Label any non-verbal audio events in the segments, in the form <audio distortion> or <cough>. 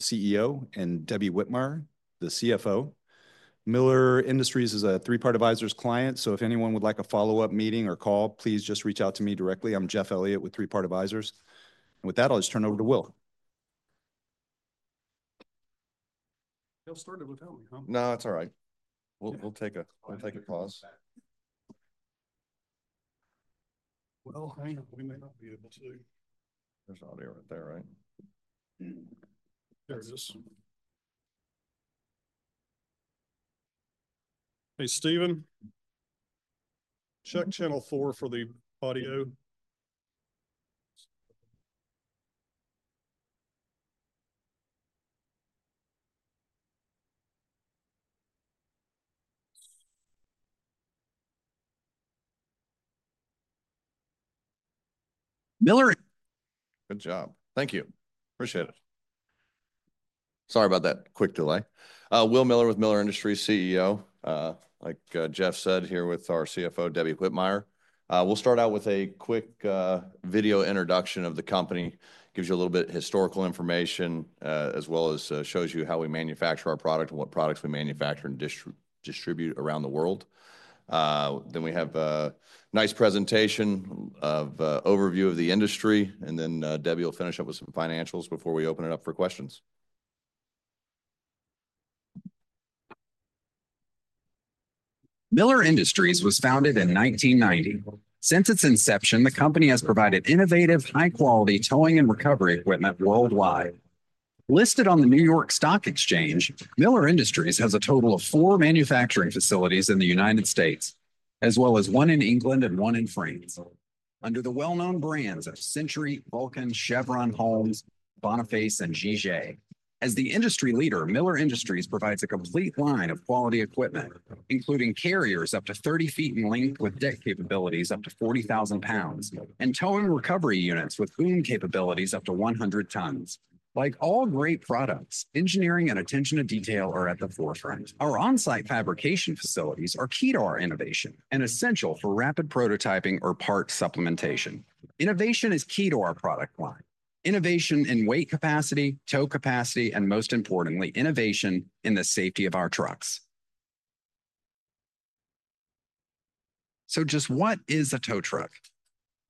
CEO and Debbie Whitmire, the CFO. Miller Industries is a Three Part Advisors client, so if anyone would like a follow-up meeting or call, please just reach out to me directly. I'm Jeff Elliott with Three Part Advisors. And with that, I'll just turn it over to Will. He'll start it without me, huh? No, that's all right. We'll take a pause. Well, hang on, we may not be able to. There's audio right there, right? There it is. Hey, Stephen, check channel four for the audio. Miller. Good job. Thank you. Appreciate it. Sorry about that quick delay. Will Miller with Miller Industries, CEO. Like Jeff said, here with our CFO, Debbie Whitmire. We'll start out with a quick video introduction of the company. Gives you a little bit of historical information, as well as shows you how we manufacture our product and what products we manufacture and distribute around the world. Then we have a nice presentation of an overview of the industry, and then Debbie will finish up with some financials before we open it up for questions. Miller Industries was founded in 1990. Since its inception, the company has provided innovative, high-quality towing and recovery equipment worldwide. Listed on the New York Stock Exchange, Miller Industries has a total of four manufacturing facilities in the United States, as well as one in England and one in France, under the well-known brands of Century, Vulcan, Chevron, Holmes, Boniface, and Jige. As the industry leader, Miller Industries provides a complete line of quality equipment, including carriers up to 30 feet in length with deck capabilities up to 40,000 pounds, and towing recovery units with boom capabilities up to 100 tons. Like all great products, engineering and attention to detail are at the forefront. Our on-site fabrication facilities are key to our innovation and essential for rapid prototyping or part supplementation. Innovation is key to our product line. Innovation in weight capacity, tow capacity, and most importantly, innovation in the safety of our trucks. So just what is a tow truck?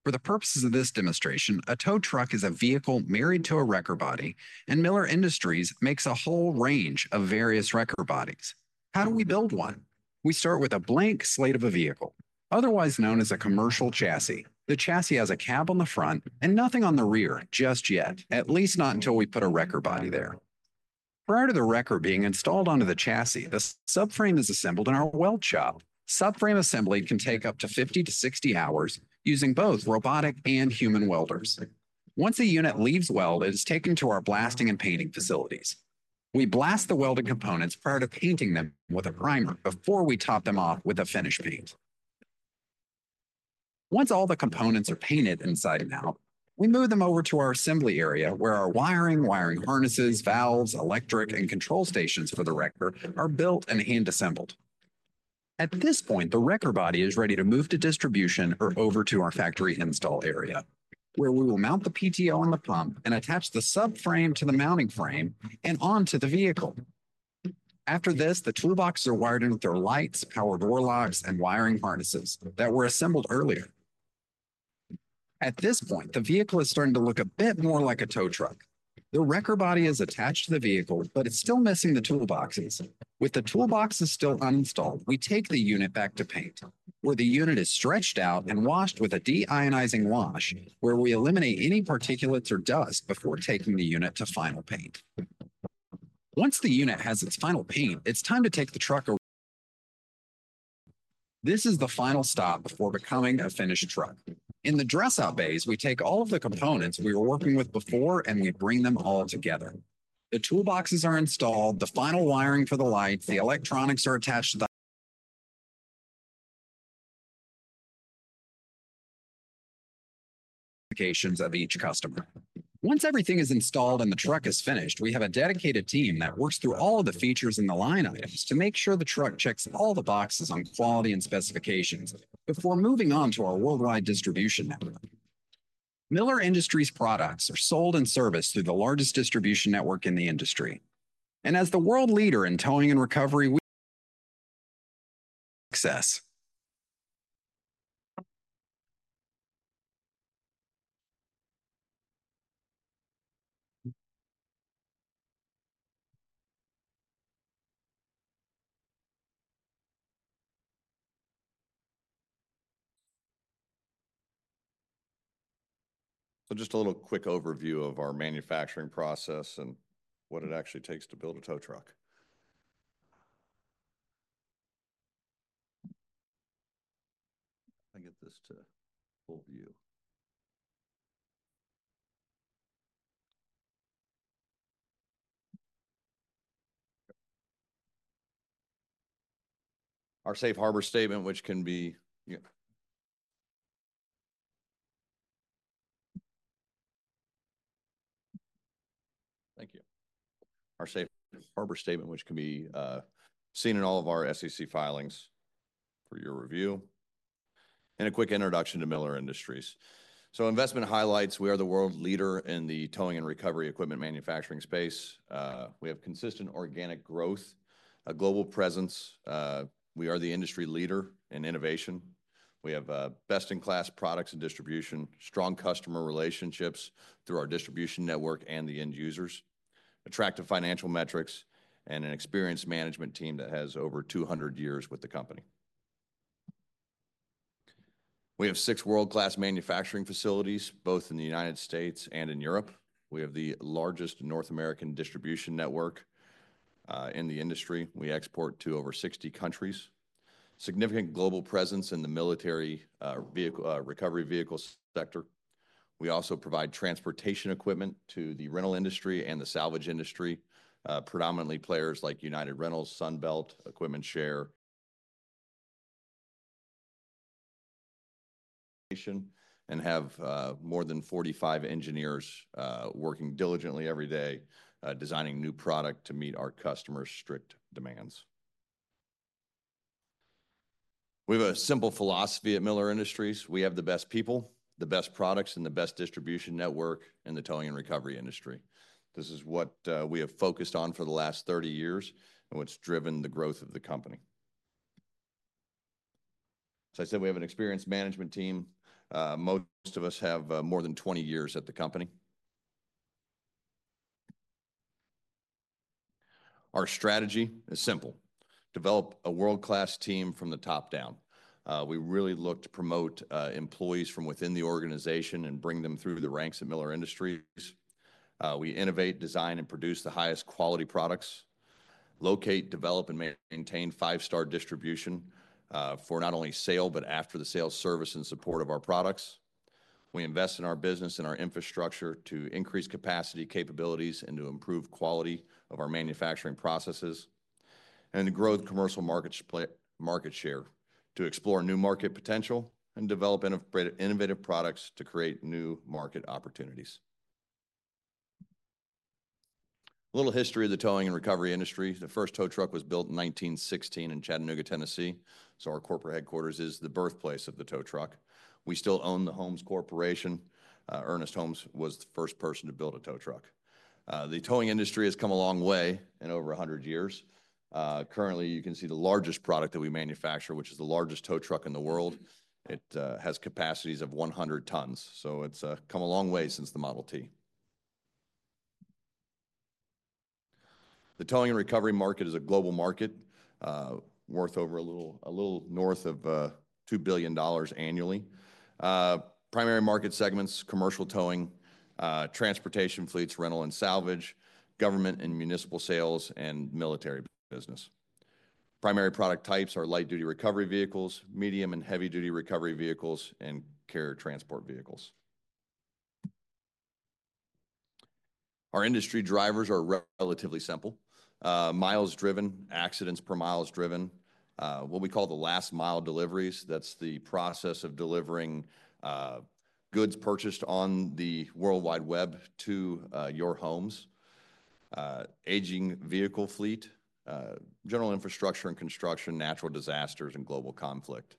For the purposes of this demonstration, a tow truck is a vehicle married to a wrecker body, and Miller Industries makes a whole range of various wrecker bodies. How do we build one? We start with a blank slate of a vehicle, otherwise known as a commercial chassis. The chassis has a cab on the front and nothing on the rear just yet, at least not until we put a wrecker body there. Prior to the wrecker being installed onto the chassis, the subframe is assembled in our weld shop. Subframe assembly can take up to 50-60 hours using both robotic and human welders. Once a unit leaves weld, it is taken to our blasting and painting facilities. We blast the welded components prior to painting them with a primer before we top them off with a finish paint. Once all the components are painted inside and out, we move them over to our assembly area where our wiring, wiring harnesses, valves, electric, and control stations for the wrecker are built and hand-assembled. At this point, the wrecker body is ready to move to distribution or over to our factory install area, where we will mount the PTO on the pump and attach the subframe to the mounting frame and onto the vehicle. After this, the toolbox is wired in with their lights, power door locks, and wiring harnesses that were assembled earlier. At this point, the vehicle is starting to look a bit more like a tow truck. The wrecker body is attached to the vehicle, but it's still missing the toolboxes. With the toolboxes still uninstalled, we take the unit back to paint, where the unit is stretched out and washed with a deionizing wash, where we eliminate any particulates or dust before taking the unit to final paint. Once the unit has its final paint, it's time to take the truck away. This is the final stop before becoming a finished truck. In the dress-out bays, we take all of the components we were working with before and we bring them all together. The toolboxes are installed, the final wiring for the lights, the electronics are attached to the specifications of each customer. Once everything is installed and the truck is finished, we have a dedicated team that works through all of the features in the line items to make sure the truck checks all the boxes on quality and specifications before moving on to our worldwide distribution network. Miller Industries' products are sold and serviced through the largest distribution network in the industry. And as the world leader in towing and recovery just a little quick overview of our manufacturing process and what it actually takes to build a tow truck. I'll get this to full view. Our safe harbor statement, which can be seen in all of our SEC filings for your review, and a quick introduction to Miller Industries. So investment highlights, we are the world leader in the towing and recovery equipment manufacturing space. We have consistent organic growth, a global presence. We are the industry leader in innovation. We have best-in-class products and distribution, strong customer relationships through our distribution network and the end users, attractive financial metrics, and an experienced management team that has over 200 years with the company. We have six world-class manufacturing facilities, both in the United States and in Europe. We have the largest North American distribution network in the industry. We export to over 60 countries. Significant global presence in the military recovery vehicle sector. We also provide transportation equipment to the rental industry and the salvage industry, predominantly players like United Rentals, Sunbelt, EquipmentShare, and have more than 45 engineers working diligently every day, designing new product to meet our customers' strict demands. We have a simple philosophy at Miller Industries. We have the best people, the best products, and the best distribution network in the towing and recovery industry. This is what we have focused on for the last 30 years and what's driven the growth of the company. As I said, we have an experienced management team. Most of us have more than 20 years at the company. Our strategy is simple: develop a world-class team from the top down. We really look to promote employees from within the organization and bring them through the ranks at Miller Industries. We innovate, design, and produce the highest quality products, locate, develop, and maintain five-star distribution for not only sale, but after the sale, service and support of our products. We invest in our business and our infrastructure to increase capacity, capabilities, and to improve quality of our manufacturing processes, and to grow the commercial market share, to explore new market potential, and develop innovative products to create new market opportunities. A little history of the towing and recovery industry. The first tow truck was built in 1916 in Chattanooga, Tennessee. So our corporate headquarters is the birthplace of the tow truck. We still own the Ernest Holmes Company. Ernest Holmes was the first person to build a tow truck. The towing industry has come a long way in over 100 years. Currently, you can see the largest product that we manufacture, which is the largest tow truck in the world. It has capacities of 100 tons, so it's come a long way since the Model T. The towing and recovery market is a global market worth over a little north of $2 billion annually. Primary market segments: commercial towing, transportation fleets, rental and salvage, government and municipal sales, and military business. Primary product types are light-duty recovery vehicles, medium and heavy-duty recovery vehicles, and carrier transport vehicles. Our industry drivers are relatively simple: miles driven, accidents per miles driven, what we call the last-mile deliveries. That's the process of delivering goods purchased on the World Wide Web to your homes, aging vehicle fleet, general infrastructure and construction, natural disasters, and global conflict.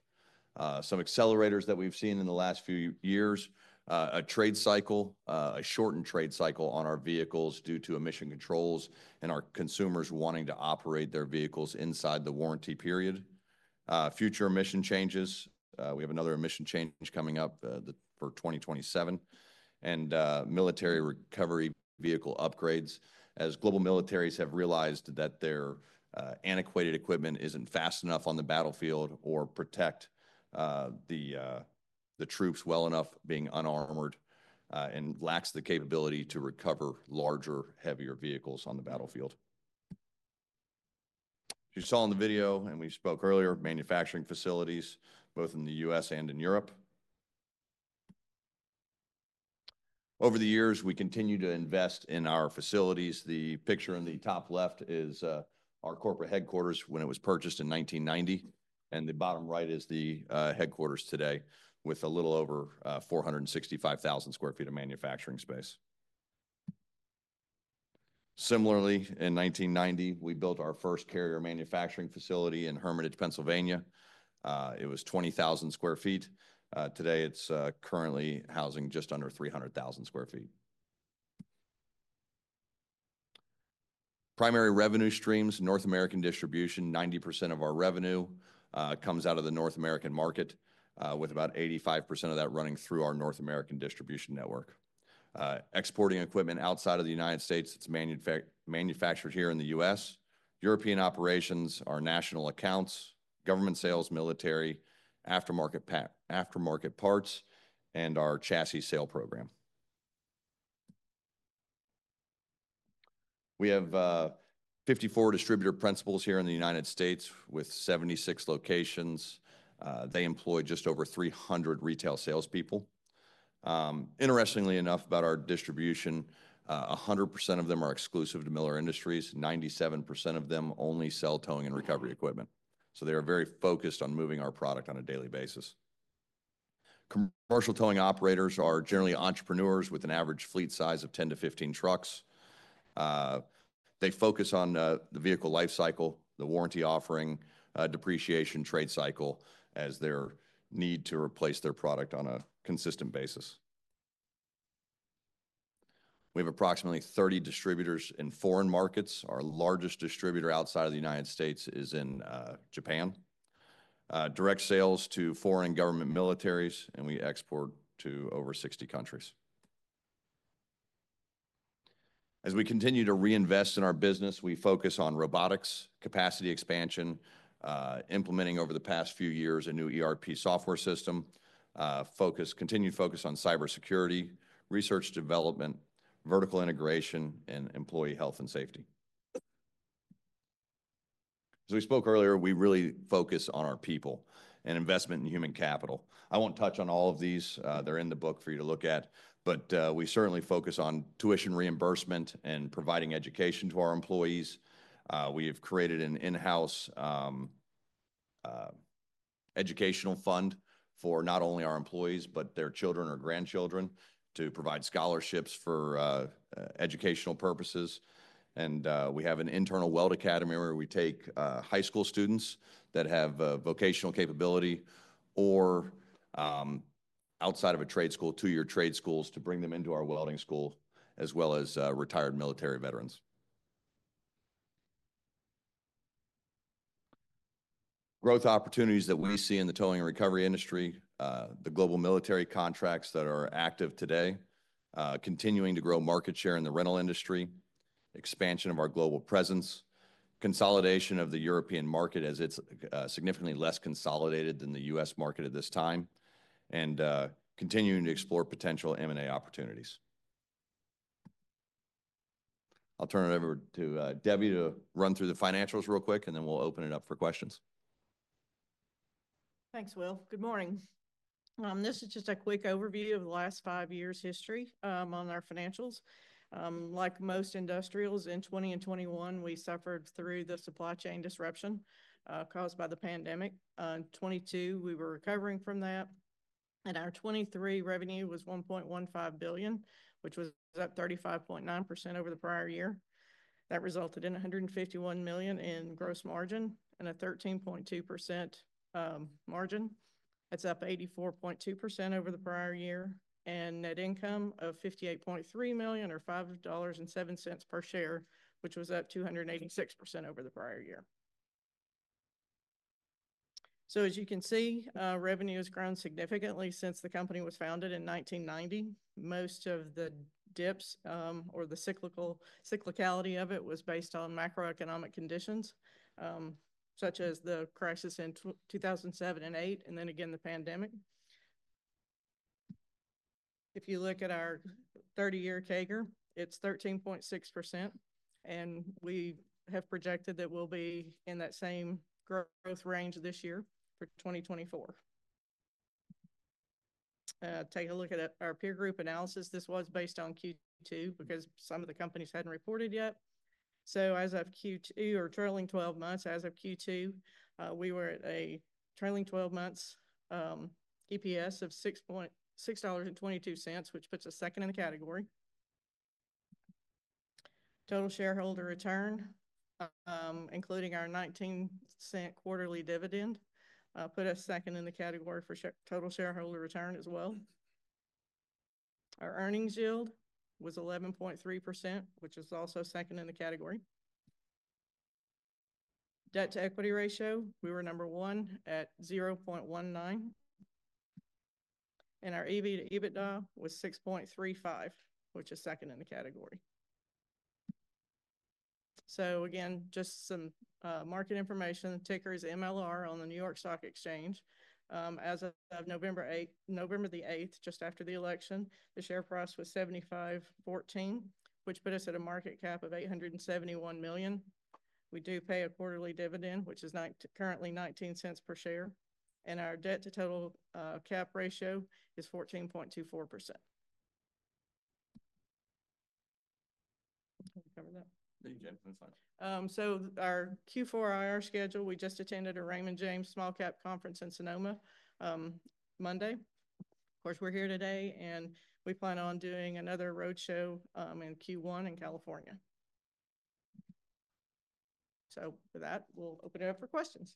Some accelerators that we've seen in the last few years: a trade cycle, a shortened trade cycle on our vehicles due to emission controls and our consumers wanting to operate their vehicles inside the warranty period, future emission changes. We have another emission change coming up for 2027, and military recovery vehicle upgrades. As global militaries have realized that their antiquated equipment isn't fast enough on the battlefield or protects the troops well enough, being unarmored, and lacks the capability to recover larger, heavier vehicles on the battlefield. You saw in the video and we spoke earlier, manufacturing facilities, both in the U.S. and in Europe. Over the years, we continue to invest in our facilities. The picture in the top left is our corporate headquarters when it was purchased in 1990, and the bottom right is the headquarters today with a little over 465,000 sq ft of manufacturing space. Similarly, in 1990, we built our first carrier manufacturing facility in Hermitage, Pennsylvania. It was 20,000 sq ft. Today, it's currently housing just under 300,000 sq ft. Primary revenue streams: North American distribution. 90% of our revenue comes out of the North American market, with about 85% of that running through our North American distribution network. Exporting equipment outside of the United States, it's manufactured here in the US. European operations, our national accounts, government sales, military, aftermarket parts, and our chassis sale program. We have 54 distributor principals here in the United States with 76 locations. They employ just over 300 retail salespeople. Interestingly enough, about our distribution, 100% of them are exclusive to Miller Industries. 97% of them only sell towing and recovery equipment. So they are very focused on moving our product on a daily basis. Commercial towing operators are generally entrepreneurs with an average fleet size of 10-15 trucks. They focus on the vehicle life cycle, the warranty offering, depreciation, trade cycle, as their need to replace their product on a consistent basis. We have approximately 30 distributors in foreign markets. Our largest distributor outside of the United States is in Japan. Direct sales to foreign government militaries, and we export to over 60 countries. As we continue to reinvest in our business, we focus on robotics, capacity expansion, implementing over the past few years a new ERP software system, continued focus on cybersecurity, research development, vertical integration, and employee health and safety. As we spoke earlier, we really focus on our people and investment in human capital. I won't touch on all of these. They're in the book for you to look at. But we certainly focus on tuition reimbursement and providing education to our employees. We have created an in-house educational fund for not only our employees, but their children or grandchildren to provide scholarships for educational purposes. And we have an internal weld academy where we take high school students that have vocational capability or outside of a trade school, two-year trade schools, to bring them into our welding school, as well as retired military veterans. Growth opportunities that we see in the towing and recovery industry, the global military contracts that are active today, continuing to grow market share in the rental industry, expansion of our global presence, consolidation of the European market as it's significantly less consolidated than the U.S. market at this time, and continuing to explore potential M&A opportunities. I'll turn it over to Debbie to run through the financials real quick, and then we'll open it up for questions. Thanks, Will. Good morning. This is just a quick overview of the last five years' history on our financials. Like most industrials, in 2021, we suffered through the supply chain disruption caused by the pandemic. In 2022, we were recovering from that. And our 2023 revenue was $1.15 billion, which was up 35.9% over the prior year. That resulted in $151 million in gross margin and a 13.2% margin. That's up 84.2% over the prior year. And net income of $58.3 million or $5.07 per share, which was up 286% over the prior year. So as you can see, revenue has grown significantly since the company was founded in 1990. Most of the dips or the cyclicality of it was based on macroeconomic conditions, such as the crisis in 2007 and 2008, and then again, the pandemic. If you look at our 30-year CAGR, it's 13.6%. We have projected that we'll be in that same growth range this year for 2024. Take a look at our peer group analysis. This was based on Q2 because some of the companies hadn't reported yet. As of Q2 or trailing 12 months, as of Q2, we were at a trailing 12 months EPS of $6.22, which puts us second in the category. Total shareholder return, including our $0.19 quarterly dividend, put us second in the category for total shareholder return as well. Our earnings yield was 11.3%, which is also second in the category. Debt to equity ratio, we were number one at 0.19. Our EBITDA was 6.35, which is second in the category. Again, just some market information. Ticker is MLR on the New York Stock Exchange. As of November the 8th, just after the election, the share price was $75.14, which put us at a market cap of $871 million. We do pay a quarterly dividend, which is currently $0.19 per share, and our debt to total cap ratio is 14.24%. Can you cover that? Thank you, Debbie. That's fine. So our Q4 IR schedule, we just attended a Raymond James Small Cap Conference in Sonoma Monday. Of course, we're here today, and we plan on doing another roadshow in Q1 in California. So with that, we'll open it up for questions.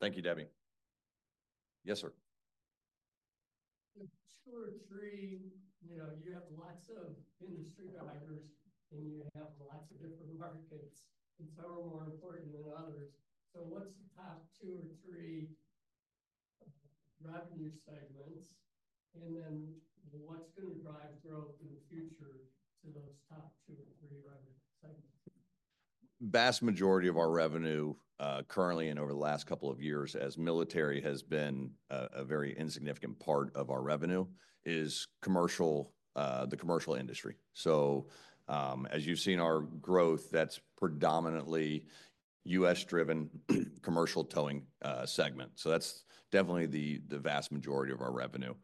Thank you, Debbie. Yes, sir. Two or three, you have lots of industry drivers, and you have lots of different markets, and some are more important than others. So what's the top two or three revenue segments? And then what's going to drive growth in the future to those top two or three revenue segments? The vast majority of our revenue currently and over the last couple of years, as military has been a very insignificant part of our revenue, is the commercial industry. So as you've seen our growth, that's predominantly U.S.-driven commercial towing segment. So that's definitely the vast majority of our revenue.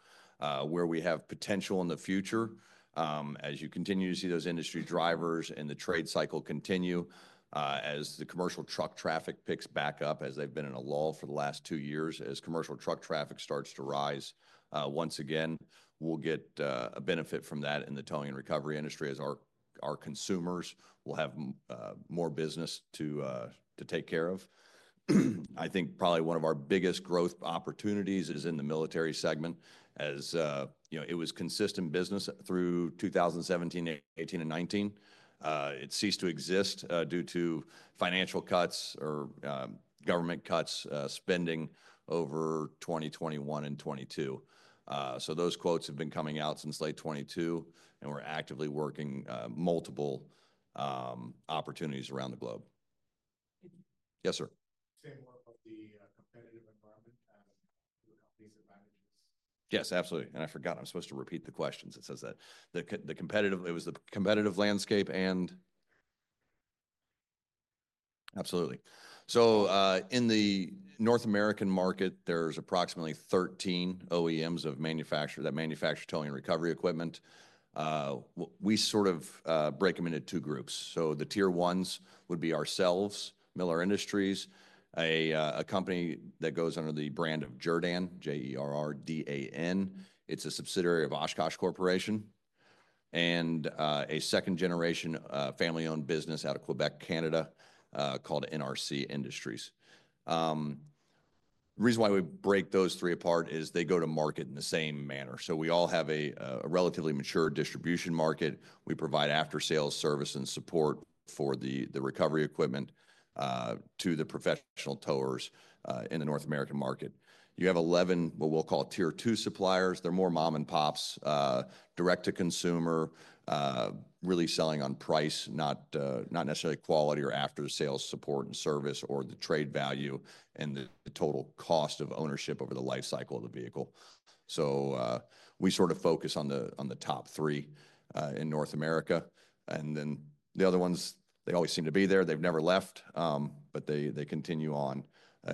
Where we have potential in the future, as you continue to see those industry drivers and the trade cycle continue, as the commercial truck traffic picks back up, as they've been in a lull for the last two years, as commercial truck traffic starts to rise once again, we'll get a benefit from that in the towing and recovery industry as our consumers will have more business to take care of. I think probably one of our biggest growth opportunities is in the military segment. As it was consistent business through 2017, 2018, and 2019, it ceased to exist due to financial cuts or government cuts spending over 2021 and 2022. So those quotes have been coming out since late 2022, and we're actively working multiple opportunities around the globe. Yes, sir. Say more about the competitive environment and the company's advantages. Yes, absolutely. And I forgot. I'm supposed to repeat the questions. It says that it was the competitive landscape and absolutely. So in the North American market, there's approximately 13 OEMs that manufacture towing and recovery equipment. We sort of break them into two groups. So the tier ones would be ourselves, Miller Industries, a company that goes under the brand of Jerr-Dan, J-E-R-R-D-A-N. It's a subsidiary of Oshkosh Corporation. And a second-generation family-owned business out of Quebec, Canada called NRC Industries. The reason why we break those three apart is they go to market in the same manner. So we all have a relatively mature distribution market. We provide after-sales service and support for the recovery equipment to the professional towers in the North American market. You have 11, what we'll call tier two suppliers. They're more mom-and-pops, direct-to-consumer, really selling on price, not necessarily quality or after-sales support and service or the trade value and the total cost of ownership over the lifecycle of the vehicle. So we sort of focus on the top three in North America. And then the other ones, they always seem to be there. They've never left, but they continue on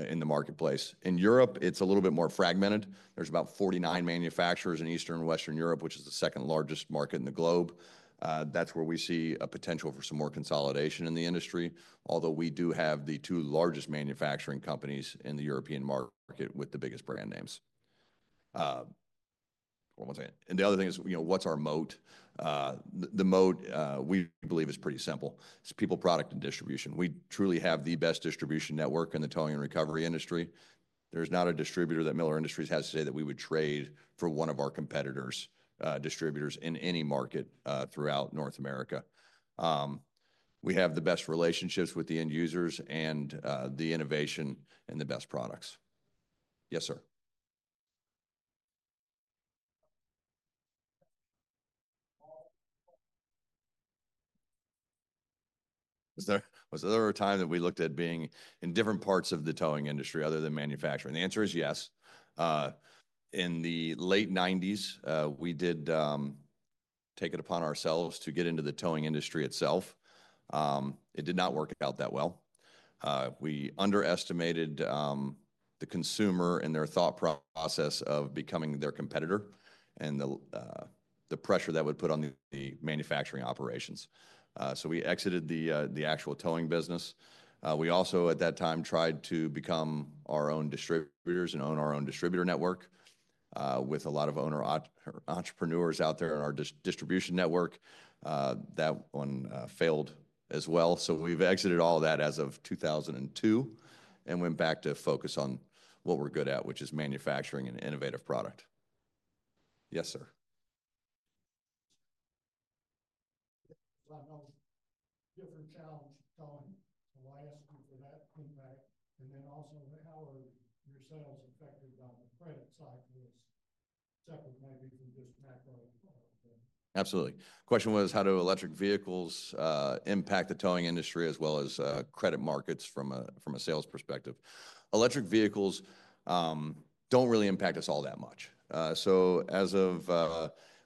in the marketplace. In Europe, it's a little bit more fragmented. There's about 49 manufacturers in Eastern and Western Europe, which is the second largest market in the globe. That's where we see a potential for some more consolidation in the industry, although we do have the two largest manufacturing companies in the European market with the biggest brand names. One more thing. And the other thing is, what's our moat? The moat, we believe, is pretty simple. It's people, product, and distribution. We truly have the best distribution network in the towing and recovery industry. There's not a distributor that Miller Industries has to say that we would trade for one of our competitors, distributors in any market throughout North America. We have the best relationships with the end users and the innovation and the best products. Yes, sir. Was there ever a time that we looked at being in different parts of the towing industry other than manufacturing? The answer is yes. In the late 1990s, we did take it upon ourselves to get into the towing industry itself. It did not work out that well. We underestimated the consumer and their thought process of becoming their competitor and the pressure that would put on the manufacturing operations. So we exited the actual towing business. We also, at that time, tried to become our own distributors and own our own distributor network with a lot of owner entrepreneurs out there in our distribution network. That one failed as well. So we've exited all of that as of 2002 and went back to focus on what we're good at, which is manufacturing an innovative product. Yes, sir. Different challenge with towing. So, I asked you for that impact. And then also, how are your sales affected by the credit cycle? Separate, maybe, from just macroeconomically. Absolutely. The question was, how do electric vehicles impact the towing industry as well as credit markets from a sales perspective? Electric vehicles don't really impact us all that much. So as of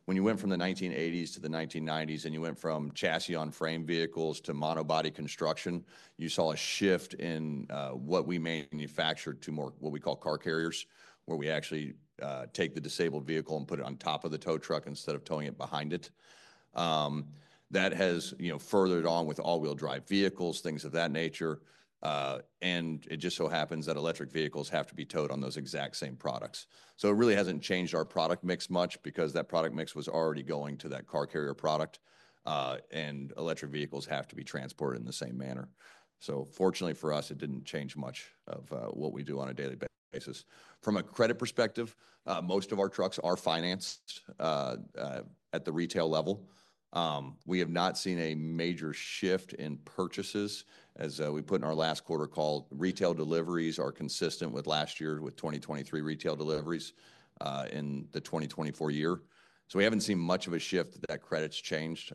when you went from the 1980s to the 1990s and you went from chassis-on-frame vehicles to monobody construction, you saw a shift in what we manufactured to more what we call car carriers, where we actually take the disabled vehicle and put it on top of the tow truck instead of towing it behind it. That has furthered on with all-wheel-drive vehicles, things of that nature. And it just so happens that electric vehicles have to be towed on those exact same products. So it really hasn't changed our product mix much because that product mix was already going to that car carrier product. And electric vehicles have to be transported in the same manner. Fortunately for us, it didn't change much of what we do on a daily basis. From a credit perspective, most of our trucks are financed at the retail level. We have not seen a major shift in purchases, as we put in our last quarter call. Retail deliveries are consistent with last year's with 2023 retail deliveries in the 2024 year. We haven't seen much of a shift that credits changed.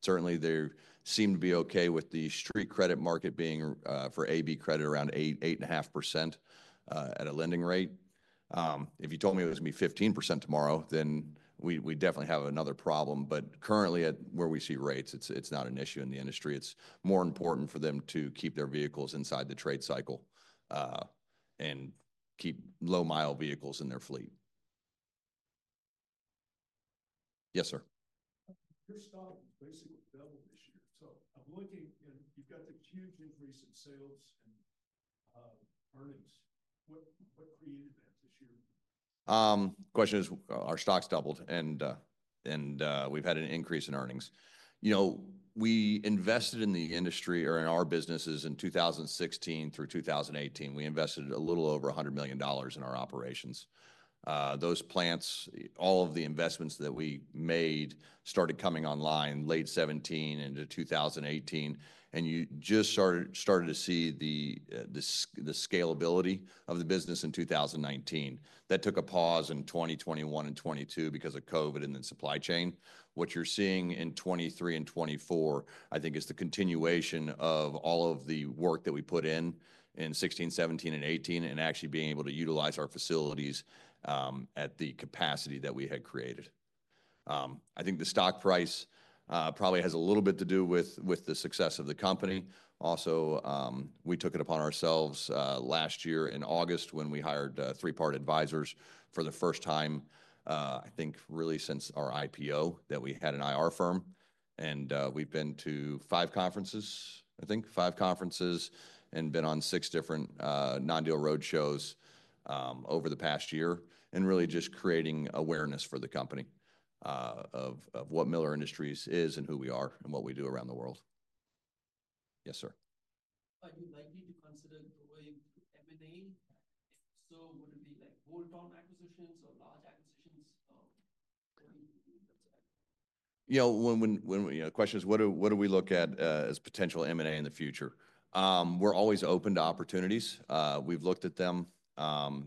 Certainly, they seem to be okay with the street credit market being for AB credit around 8.5% at a lending rate. If you told me it was going to be 15% tomorrow, then we definitely have another problem. But currently, at where we see rates, it's not an issue in the industry. It's more important for them to keep their vehicles inside the trade cycle and keep low-mile vehicles in their fleet. Yes, sir. Your stock has basically doubled this year. So I'm looking and you've got the huge increase in sales and earnings. What created that this year? The question is, our stocks doubled, and we've had an increase in earnings. We invested in the industry or in our businesses in 2016 through 2018. We invested a little over $100 million in our operations. Those plants, all of the investments that we made started coming online late 2017 into 2018. And you just started to see the scalability of the business in 2019. That took a pause in 2021 and 2022 because of COVID and then supply chain. What you're seeing in 2023 and 2024, I think, is the continuation of all of the work that we put in in 2016, 2017, and 2018 and actually being able to utilize our facilities at the capacity that we had created. I think the stock price probably has a little bit to do with the success of the company. Also, we took it upon ourselves last year in August when we hired Three Part Advisors for the first time, I think, really since our IPO that we had an IR firm. And we've been to five conferences, I think, five conferences and been on six different non-deal roadshows over the past year and really just creating awareness for the company of what Miller Industries is and who we are and what we do around the world. Yes, sir. Are you likely to consider going to M&A? If so, would it be like bolt-on acquisitions or large acquisitions? Yeah. The question is, what do we look at as potential M&A in the future? We're always open to opportunities. We've looked at them.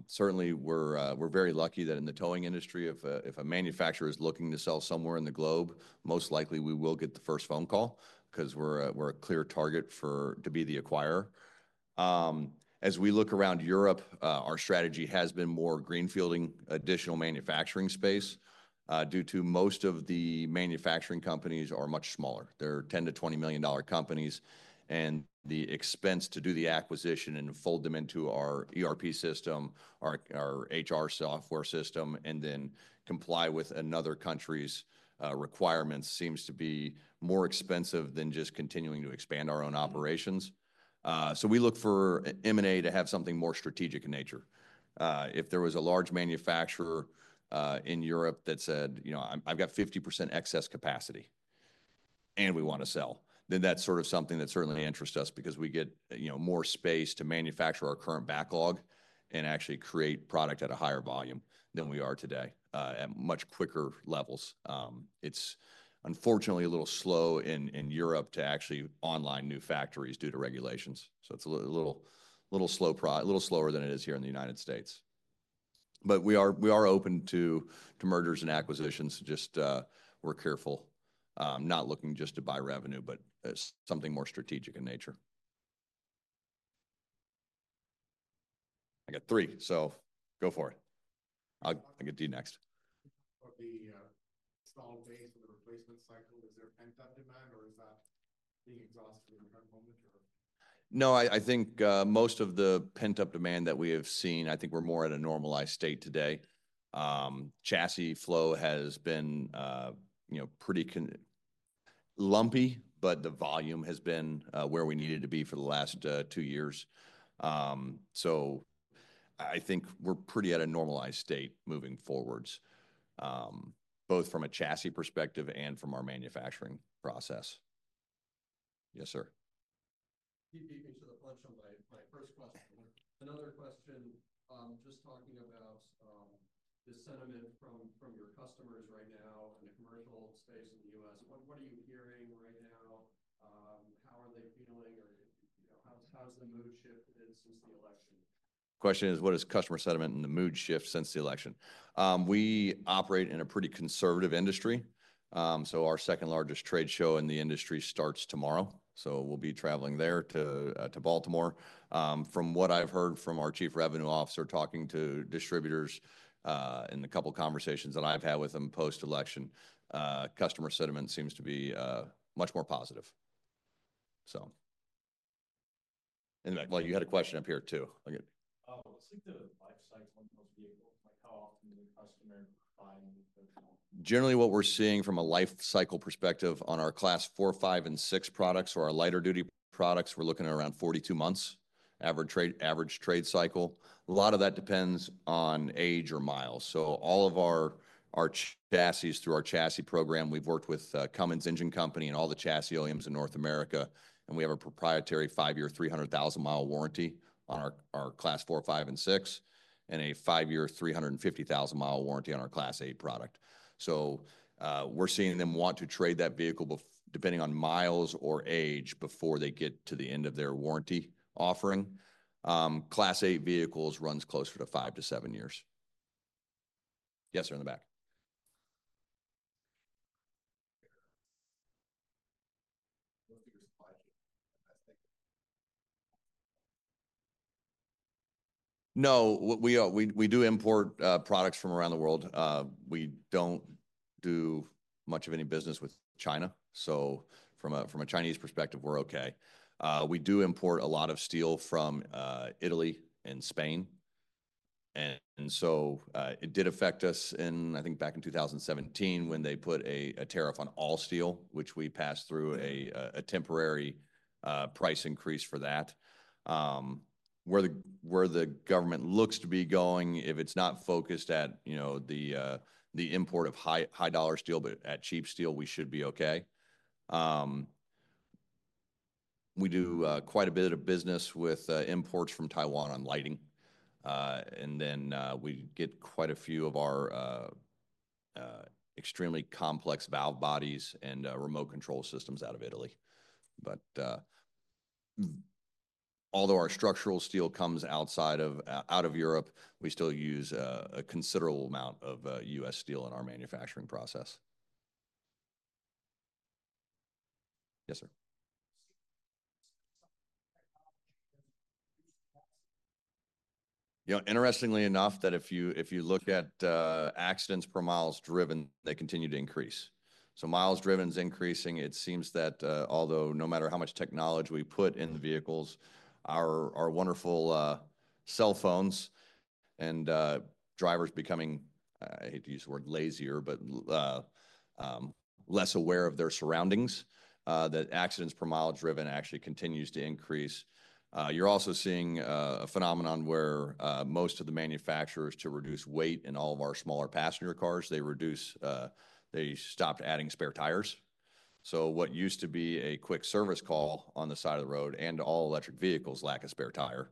Certainly, we're very lucky that in the towing industry, if a manufacturer is looking to sell somewhere in the globe, most likely we will get the first phone call because we're a clear target to be the acquirer. As we look around Europe, our strategy has been more greenfielding, additional manufacturing space due to most of the manufacturing companies are much smaller. They're $10-$20 million companies. And the expense to do the acquisition and fold them into our ERP system, our HR software system, and then comply with another country's requirements seems to be more expensive than just continuing to expand our own operations. So we look for M&A to have something more strategic in nature. If there was a large manufacturer in Europe that said, "I've got 50% excess capacity and we want to sell," then that's sort of something that certainly interests us because we get more space to manufacture our current backlog and actually create product at a higher volume than we are today at much quicker levels. It's unfortunately a little slow in Europe to actually online new factories due to regulations. So it's a little slower than it is here in the United States. But we are open to mergers and acquisitions. Just we're careful not looking just to buy revenue, but something more strategic in nature. I got three. So go for it. I'll get D next. The installed base of the replacement cycle, is there pent-up demand, or is that being exhausted in the current moment? No, I think most of the pent-up demand that we have seen. I think we're more at a normalized state today. Chassis flow has been pretty lumpy, but the volume has been where we needed to be for the last two years. So I think we're pretty at a normalized state moving forwards, both from a chassis perspective and from our manufacturing process. Yes, sir. Keeping to the point on my first question. Another question, just talking about the sentiment from your customers right now in the commercial space in the U.S. What are you hearing right now? How are they feeling? Or how has the mood shifted since the election? The question is, what is customer sentiment and the mood shift since the election? We operate in a pretty conservative industry. Our second largest trade show in the industry starts tomorrow. We'll be traveling there to Baltimore. From what I've heard from our Chief Revenue Officer talking to distributors in the couple of conversations that I've had with them post-election, customer sentiment seems to be much more positive. And you had a question up here too. <audio distortion> Generally, what we're seeing from a life cycle perspective on our Class 4, 5, and 6 products or our lighter-duty products, we're looking at around 42 months average trade cycle. A lot of that depends on age or miles, so all of our chassis through our chassis program, we've worked with Cummins Engine Company and all the chassis OEMs in North America, and we have a proprietary five-year, 300,000-mile warranty on our Class 4, 5, and 6, and a five-year, 350,000-mile warranty on our Class 8 product, so we're seeing them want to trade that vehicle depending on miles or age before they get to the end of their warranty offering. Class 8 vehicles runs closer to five to seven years. Yes, sir, in the back. What's your supply chain? <audio distortion> No. We do import products from around the world. We don't do much of any business with China, so from a Chinese perspective, we're okay. We do import a lot of steel from Italy and Spain, and so it did affect us in, I think, back in 2017 when they put a tariff on all steel, which we passed through a temporary price increase for that. Where the government looks to be going, if it's not focused at the import of high-dollar steel, but at cheap steel, we should be okay. We do quite a bit of business with imports from Taiwan on lighting, and then we get quite a few of our extremely complex valve bodies and remote control systems out of Italy, but although our structural steel comes outside of Europe, we still use a considerable amount of U.S. steel in our manufacturing process. Yes, sir. Interestingly enough, that if you look at accidents per miles driven, they continue to increase. So miles driven is increasing. It seems that although no matter how much technology we put in the vehicles, our wonderful cell phones and drivers becoming, I hate to use the word lazier, but less aware of their surroundings, that accidents per mile driven actually continues to increase. You're also seeing a phenomenon where most of the manufacturers, to reduce weight in all of our smaller passenger cars, they stopped adding spare tires. So what used to be a quick service call on the side of the road and all electric vehicles lack a spare tire,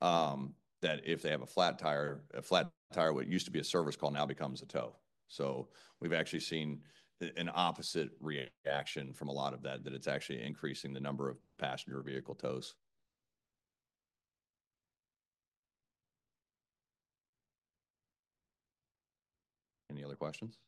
that if they have a flat tire, a flat tire, what used to be a service call now becomes a tow. So we've actually seen an opposite reaction from a lot of that, that it's actually increasing the number of passenger vehicle tows. Any other questions?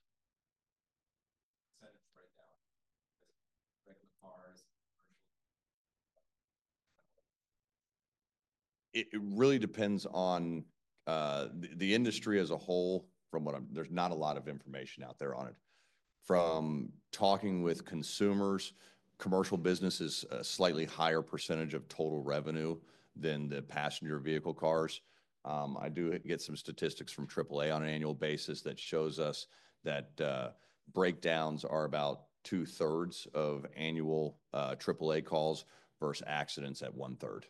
<audio distortion> It really depends on the industry as a whole. From what there's not a lot of information out there on it. From talking with consumers, commercial businesses, a slightly higher percentage of total revenue than the passenger vehicle cars. I do get some statistics from AAA on an annual basis that shows us that breakdowns are about two-thirds of annual AAA calls versus accidents at one-third.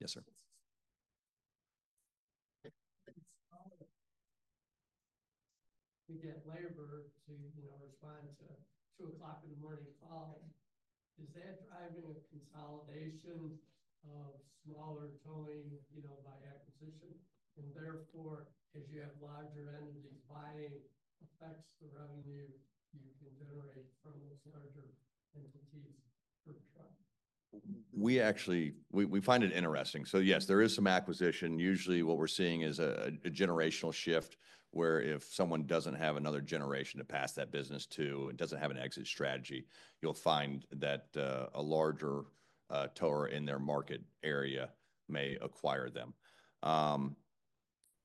Yes, sir. We get labor to respond to a 2:00 A.M. call. Is that driving a consolidation of smaller towing by acquisition? And therefore, as you have larger entities buying, affects the revenue you can generate from those larger entities per truck? We find it interesting, so yes, there is some acquisition. Usually, what we're seeing is a generational shift where if someone doesn't have another generation to pass that business to and doesn't have an exit strategy, you'll find that a larger tower in their market area may acquire them.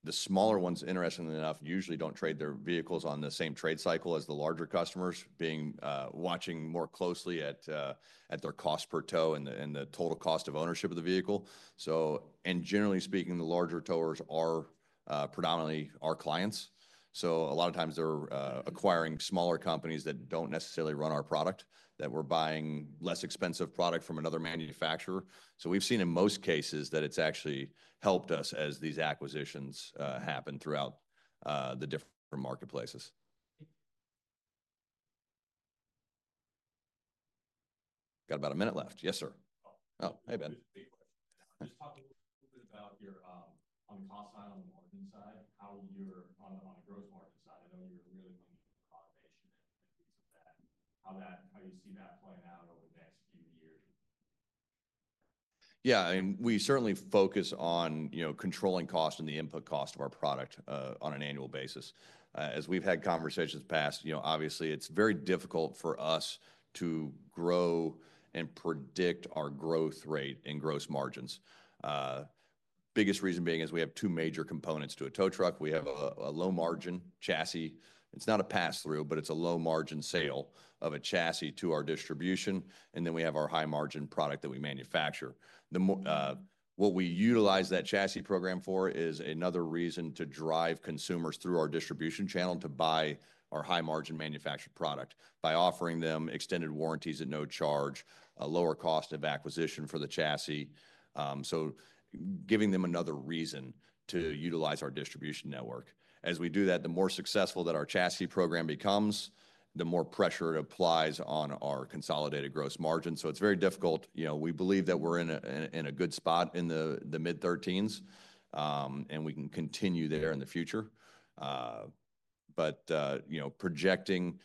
The smaller ones, interestingly enough, usually don't trade their vehicles on the same trade cycle as the larger customers, being watching more closely at their cost per tow and the total cost of ownership of the vehicle, and generally speaking, the larger towers are predominantly our clients, so a lot of times, they're acquiring smaller companies that don't necessarily run our product, that we're buying less expensive product from another manufacturer, so we've seen in most cases that it's actually helped us as these acquisitions happen throughout the different marketplaces. Got about a minute left. Yes, sir. Oh, hey, Ben. Just talk a little bit about you're on the cost side, on the margin side, how you're on the gross margin side. I know you're really looking for automation and things of that. How do you see that playing out over the next few years? Yeah. I mean, we certainly focus on controlling cost and the input cost of our product on an annual basis. As we've had conversations past, obviously, it's very difficult for us to grow and predict our growth rate in gross margins. Biggest reason being is we have two major components to a tow truck. We have a low-margin chassis. It's not a pass-through, but it's a low-margin sale of a chassis to our distribution. And then we have our high-margin product that we manufacture. What we utilize that chassis program for is another reason to drive consumers through our distribution channel to buy our high-margin manufactured product by offering them extended warranties at no charge, a lower cost of acquisition for the chassis. So giving them another reason to utilize our distribution network. As we do that, the more successful that our chassis program becomes, the more pressure it applies on our consolidated gross margin. So it's very difficult. We believe that we're in a good spot in the mid-13s, and we can continue there in the future. But projecting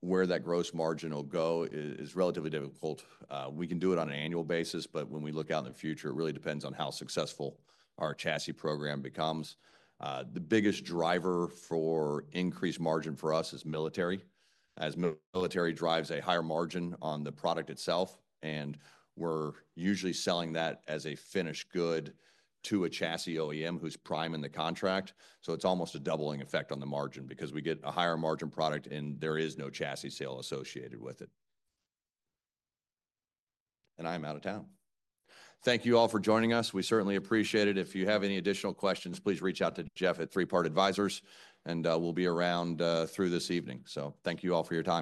where that gross margin will go is relatively difficult. We can do it on an annual basis, but when we look out in the future, it really depends on how successful our chassis program becomes. The biggest driver for increased margin for us is military, as military drives a higher margin on the product itself. And we're usually selling that as a finished good to a chassis OEM who's prime in the contract. So it's almost a doubling effect on the margin because we get a higher margin product and there is no chassis sale associated with it. And I'm out of town. Thank you all for joining us. We certainly appreciate it. If you have any additional questions, please reach out to Jeff at Three Part Advisors, and we'll be around through this evening. So thank you all for your time.